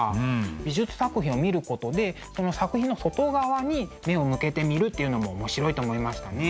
美術作品を見ることでその作品の外側に目を向けてみるっていうのも面白いと思いましたね。